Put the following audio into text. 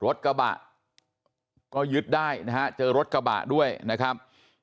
รถกระบะก็ยึดได้นะฮะเจอรถกระบะด้วยนะครับ